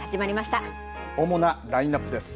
主なラインナップです。